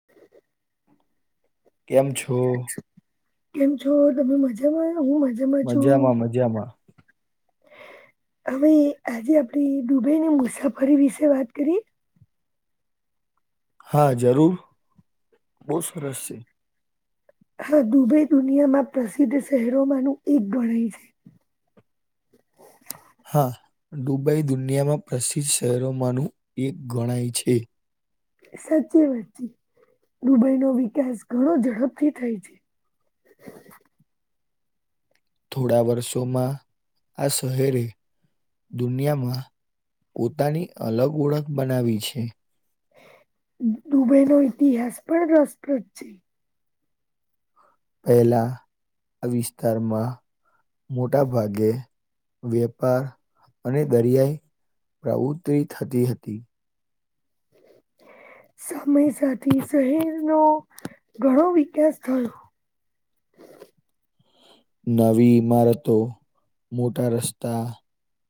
[inaudible] કેમ છો? કેમ છો તમે મજામાં? હું મજા મજામાં મજામાં હવે આજે આપણે દુબઈની મુસાફરી વિશે વાત કરીએ? હા જરૂર બહુ સરસ છે હા દુબઈ દુનિયામાં પ્રસિદ્ધ શહેરોમાં ન એક ગણાય છે હા દુબઈ દુનિયામાં પ્રસિદ્ધ શહેરોમાંનું એક ગણાય છે. સાચી વાત છે દુબઈ નો વિકાસ ઘણો ઝડપથી થાય છે. થોડા વર્ષોમાં આ શહેરે દુનિયામાં પોતાની અલગ ઓળખ બનાવી છે. દુબઈ નો ઇતિહાસ પણ રસપ્રદ છે. પહેલા આ વિસ્તારમાં મોટા ભાગે વેપાર અને દરિયાઈ પ્રવૃત્તિ થતી હતી. સમય સાથે શહેર નો ઘણો વિકાસ થયો. નવી ઈમારતો મોટા રસ્તા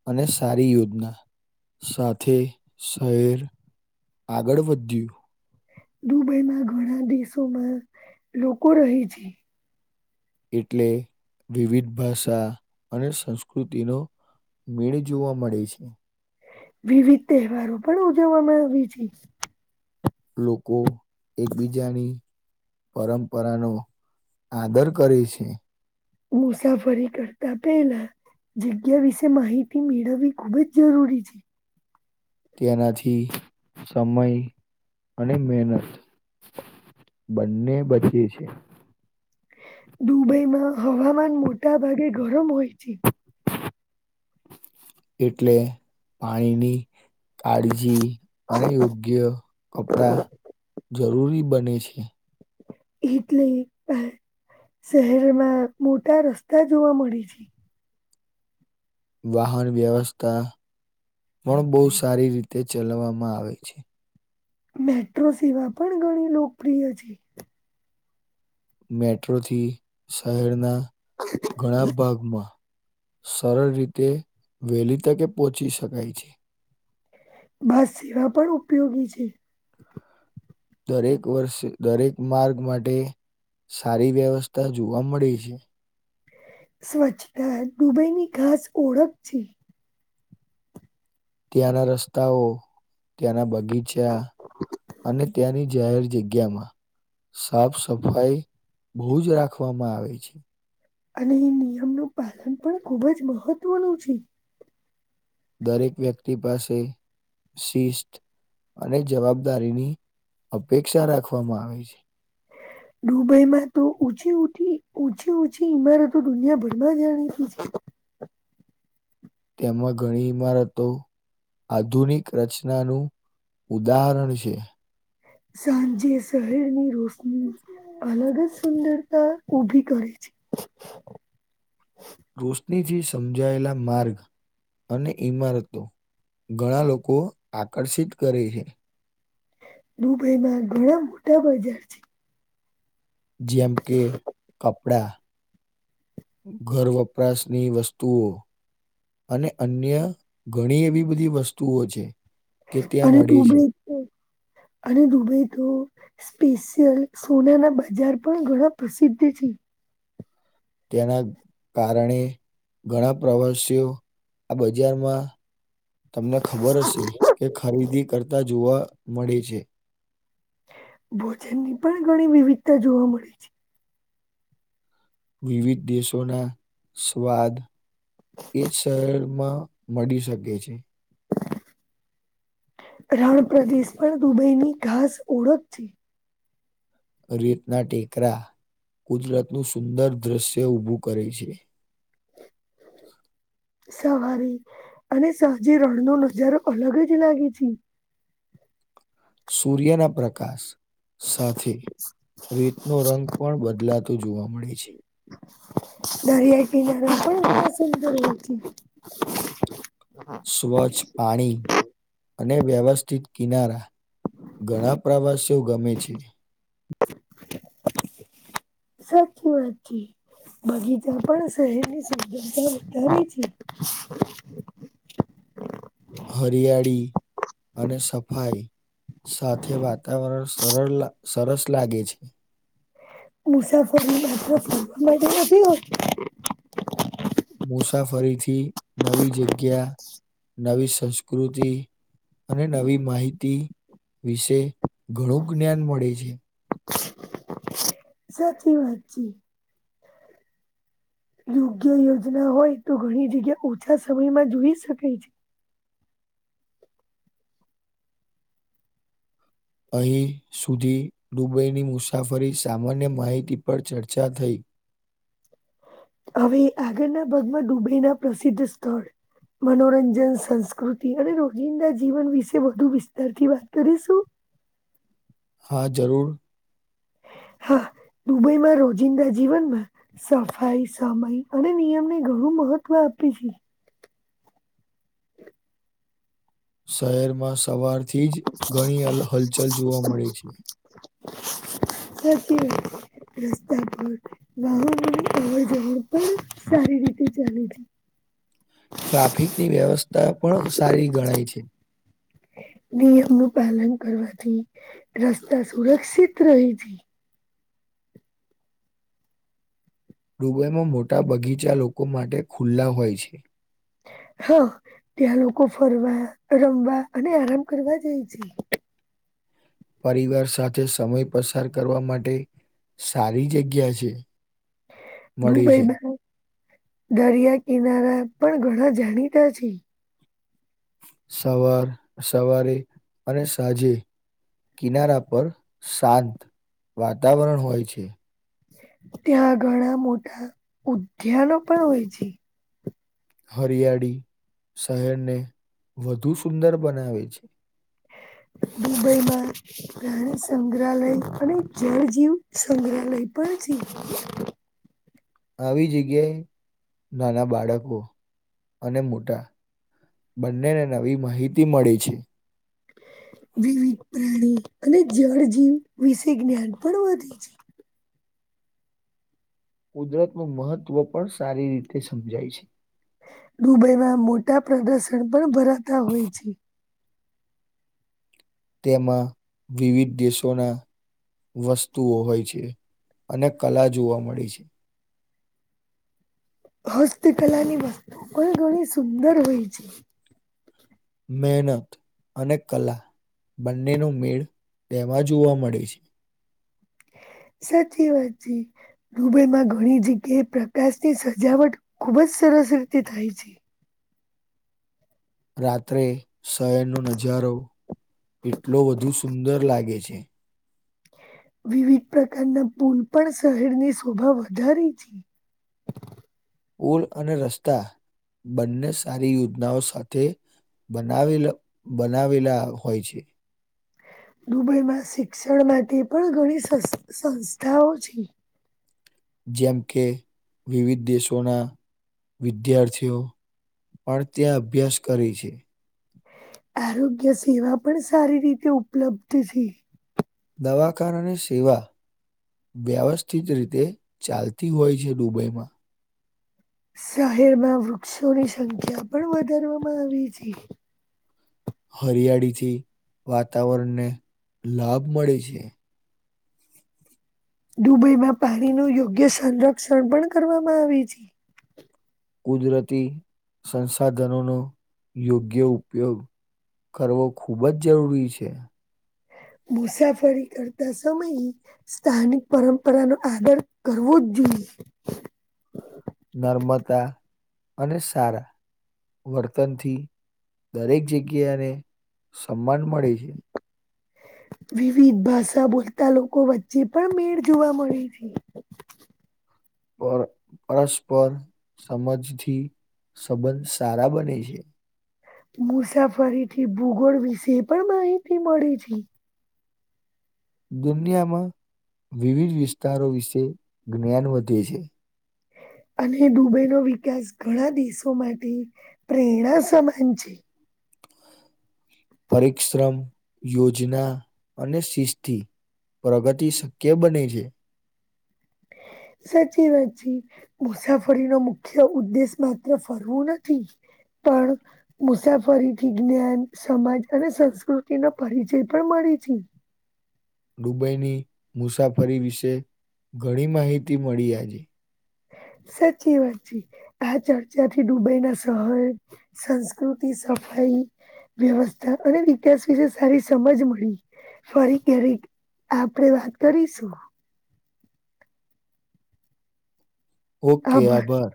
અને સારી યોજના સાથે શહેર આગળ વધ્યું દુબઈમાં ઘણા દેશોમાં લોકો રહે છે. એટલે વિવિધ ભાષા અને સંસ્કૃતિનો મેળ જોવા મળે છે. વિવિધ તહેવારો પણ ઉજવવામાં આવી છે. લોકો એકબીજાની પરંપરા નો આદર કરે છે. મુસાફરી કરતા પેલા જગ્યા વિશે માહિતી મેળવવી ખુબ જ જરૂરી છે. તેનાથી સમય અને મહેનત બંને બછી છે. દુબઈમાં હવામાન મોટા ભાગે ગરમ હોય છે. એટલે આઈ ની કાળજી અને યોગ્ય કપડા જરૂરી બને છે. એટલે શહેરમાં મોટા રસ્તા જોવા મળે છે. વાહન વ્યવસ્થા પણ બહુ સારી રીતે ચલાવવામાં આવે છે. મેટ્રો સેવા પણ ઘણી લોકપ્રિય છે. મેટ્રોથી શહેરના ઘણા ભાગમાં સરળ રીતે વહેલી તકે પહોચી શકાય છે. બસ સેવા પણ ઉપયોગી છે. દરેક વર્ષે દરેક માર્ગ માટે સારી વ્યવસ્થા જોવા મળે છે સ્વચ્છતા દુબઈની ઘાસ ઓળખ છે. ત્યાંના રસ્તાઓ ત્યાંના બગીચા અને ત્યાંની જાહેર જગ્યામાં સાફ સફાઈ બહુ જ રાખવામાં આવે છે. અને એ નિયમનું પાલન પણ ખુબ જ મહત્વનું છે. દરેક વ્યક્તિ પાસે શિસ્ત અને જવાબદારીની અપેક્ષા રાખવામાં આવે છે. દુબઈમાં તો ઉછી છી ઓછી છી ઈમારતો દુનિયાભરમાં જાણીતી છે. તેમાં ઘણી ઈમારતો આધુનિક રચનાનું ઉદાહરણ છે. સાંજે શહેરની રોશની અલગ જ સુંદરતા ઊભી કરે છે. રોશનીથી સમજાયેલા માર્ગ. અને ઈમારતો ઘણા લોકો આકર્ષિત કરે હે. દુબઈમાં ઘણા મોટા બજાર છે. જેમ કે કપડા. ઘર વપરાશની વસ્તુઓ. અને અન્ય ઘણી એવી બધી વસ્તુઓ છે. કે ત્યાં અને મળે છે. દુબઈ તો અને દુબઈ તો સ્પેશિયલ સોના ના બજાર પણ ઘણા પ્રસિદ્ધ છે. તેના કારણે ઘણા પ્રવાસીઓ આ બજારમાં. તમને ખબર હશે કે ખરીદી કરતા જોવા મળે છે. ભોજન ની પણ ઘણી વિવિધતા જોવા મળે છે. વિવિધ દેશોના સ્વાદ એ શહેરમાં મળી શકે છે. રણ પ્રદેશ પણ દુબઈ ની ઘાસ ઓળખ છે. રીતના ટેકરા કુદરત નું સુંદર દ્રશ્ય ઊભું કરે છે. સવારે અને સાંજ રણ નો નજારો અલગ જ લાગે છે. સૂર્યના પ્રકાશ સાથે રેતનો રંગ પણ બદલાતો તો જોવા મળે છે. દરિયા કિનારે પણ સુંંદર હોય છે. સ્વચ્છ પાણી અને વ્યવસ્થિત કિનારા. ઘણા પ્રવાસીઓ ગમે છે. સાચી વાત છે બગીચા પણ શહેરની સધતા વધારે છે. હરિયાળી. અને સફાઈ સાથે વાતાવરણ સરળ સરસ લાગે છે. મુસાફર ની માફ નથી હોય. મુસાફરીથી નવી જગ્યા નવી સંસ્કૃતિ અને નવી માહિતી વિશે ઘણું જ્ઞાન મળે છે. સાચી વાત છે. યોગ્ય યોજના હોય તો ઘણી જગ્યા ઓછા સમયમાં જોઈ શકે છે. અહીં સુધી દુબઈની મુસાફરી સામાન્ય માહિતી પર ચર્ચા થઈ. હવે આગળના ભાગમાં દુબઈ ના પ્રસિદ્ધ સ્થળ મનોરંજન સંસ્કૃતિ અને રોજિંદા જીવન વિશે વધુ વિસ્તારથી વાત કરીશું. હા જરૂર. હા દુબઈમાં રોજિંદા જીવનમાં સફાઈ સમય અને નિયમને ઘણું મહત્વ આપે છે. શહેરમાં સવારથી જ ઘણી હલચલ જોવા મળી છે. [inaudible] થતી રહે છે. રસ્તા પર વાહનો અવર જવર પણ સારી રીતે ચાલે છે. [inaudible] ટ્રાફિકની વ્યવસ્થા પણ સારી ગણાય છે. નિયમ નું પાલન કરવાથી રસ્તા સુરક્ષિત રહે છે. દુબઈમાં મોટા બગીચા લોકો માટે ખુલ્લા હોય છે. હા ત્યાં લોકો ફરવા રમવા અને આરામ કરવા જાય છે. પરિવાર સાથે સમય પસાર કરવા માટે સારી જગ્યા છે. મળી છે. દુબઈમાં દરિયા કિનારા પણ ઘણા જાણીતા છે. સવાર સવારે અને સાંજે કિનારા પર શાંત વાતાવરણ હોય છે. ત્યાં ઘણા મોટા ઉદ્યાનો પણ હોય છે. હરિયાળી શહેરને વધુ સુંદર બનાવે છે. દુબઈમાં સંગ્રહાલય અને જળ જીવ સંગ્રહાલય પણ છે. આવી જગ્યાએ નાના બાળકો અને મોટા બંનેને નવી માહિતી મળે છે. વિવિધ પ્રાણી અને જળ જવ વિશે જ્ઞાન પણ વધે છે. કુદરત નું મહત્વ પણ સારી રીતે સમજાય છે. દુબઈમાં મોટા પ્રદર્શન પણ ભરાતા હોય છે. તેમાં વિવિધ દેશોના. વસ્તુઓ હોય છે અને કલા જોવા મળે છે. હસ્તકલા ની વસ્તુ પણ ઘણી સુંદર હોય છે. મહેનત અને કલા બંનેનો મેળ તેમાં જોવા મળે છે. સાચી વાત જી. દુબઈમાં ઘણી જગ્યાએ પ્રકાશની સજાવટ ખૂબ જ સરસ રીતે થાય છે. રાત્રે શહેરનોો નજારો એટલો વધુ સુંદર લાગે છે. વિવિધ પ્રકારના પુલ પણ શહેરની શોભા વધારે છે. પુલ અને રસ્તા બંને સારી યોજનાઓ સાથે. બનાવેલા બનાવેલા હોય છે. દુબઈમાં શિક્ષણ માટે પણ ઘણી સંસ્થાઓ છે. જેમ કે વિવિધ દેશોના વિદ્યાર્થીઓ. પણ ત્યાં અભ્યાસ કરે છે. આરોગ્ય સેવા પણ સારી રીતે ઉપલબ્ધ છે. દવાખાના અને સેવા. વ્યવસ્થિત રીતે ચાલતી હોય છે દુબઈમાં. શહેરમાં વૃક્ષોની સંખ્યા પણ વધારવામાં આવી છે. હરિયાળીથી વાતાવરણને લાભ મળે છે. દુબઈમાં પાણી ન યોગ્ય સંરક્ષણ પણ કરવામાં આવે છે. કુદરતી સંસાધનોનો યોગ્ય ઉપયોગ. કરવો ખૂબ જ જરૂરી છે. મુસાફરી કરતા સમય. સ્થાનિક પરંપરા ન આદર કરવો જ જોઈએ. નર્મદા અને સારા. વર્તનથી દરેક જગ્યા એને સન્માન મળે છે. વિવિધ ભાષા બોલતા લોકો વચ્ચે પણ મેળ જોવા મળે છે. પર પરસ્પર સમજથી સંબંધ સારા બને છે. મુસાફરીથી ભૂગોળ વિશે પણ માહિતી મળી છે. દુનિયામાં વિવિધ વિસ્તારો વિશે જ્ઞાન વધે છે. અને દુબઈનો વિકાસ ઘણા દેશો માટે પ્રેરણા સમાન છે. પરિશ્રમ યોજના અને શિસ્તી. પ્રગતિ શક્ય બને છે. સાચી વાચી મુસાફરી નો મુખ્ય ઉદ્દેશ માત્ર ફરવું નથી. પણ. મુસાફરી થી જ્ઞાન સમાજ અને સંસ્કૃતિ ન પરિચય પણ મળે છે. દુબઈની મુસાફરી વિશે ઘણી માહિતી મળી આજે. સાચી વાત છે આ ચર્ચા થી ડુબઈ ના શહેર. સંસ્કૃતિ સફાઈ. વ્યવસ્થા અને વતિાસ વિશે સારી સમજ મળી. ફરી ક્યારેક આપડે વાત કરીશું. ઓકે આભાર.